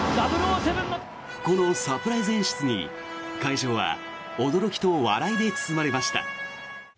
このサプライズ演出に会場は驚きと笑いで包まれました。